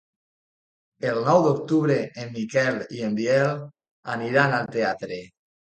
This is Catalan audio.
El nou d'octubre en Miquel i en Biel aniran al teatre.